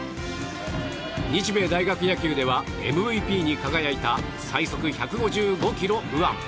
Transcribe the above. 日米大学野球ではＭＶＰに輝いた最速１５５キロ右腕。